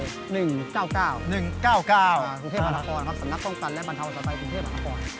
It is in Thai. สถานกองค์ตันและบรรทาวน์สวัสดิ์สถานกองค์ตัน